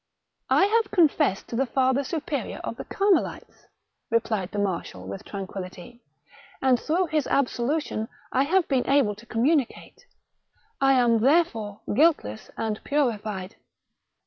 "I have confessed to the father superior of the Carmelites," replied the marshal, with tranquillity; '* and through his absolution I have been able to com municate : I am, therefore, guiltless and purified."